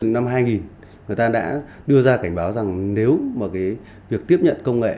năm hai nghìn người ta đã đưa ra cảnh báo rằng nếu mà cái việc tiếp nhận công nghệ